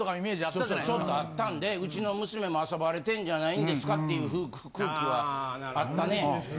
そうそうちょっとあったんでうちの娘も遊ばれてんじゃないんですかっていう空気はあったね。